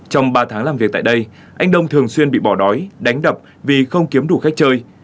trong ba tháng làm việc tại đây anh đông thường xuyên bị bỏ đói đánh đập vì không kiếm đủ khách chơi